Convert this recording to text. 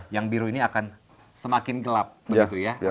yang biru ini akan semakin gelap begitu ya